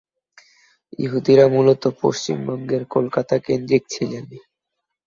ইহুদিরা মূলত পশ্চিমবঙ্গের কলকাতা কেন্দ্রিক ছিলেন।